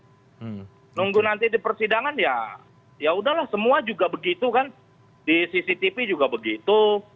kalau itu nanti di persidangan ya ya udahlah semua juga begitu kan di cctv juga begitu